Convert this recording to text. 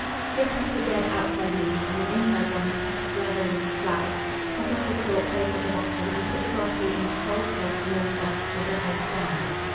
Strip off the dead outside leaves, and the inside ones cut off level with the flower; cut off the stalk close at the bottom, and put the brocoli into cold salt and water, with the heads downwards.